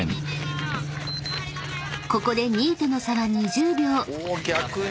［ここで２位との差は２０秒］